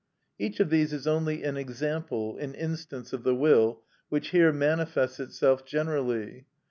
Each of these is only an example, an instance, of the will which here manifests itself generally.